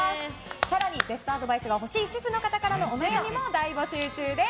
更に、ベストアドバイスが欲しい主婦の方からのお悩みも大募集中です。